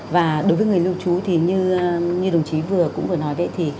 và đối với người lưu trú thì như đồng chí vừa cũng vừa nói vậy thì